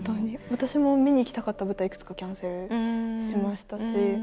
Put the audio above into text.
私も見に行きたかった舞台いくつかキャンセルしましたし。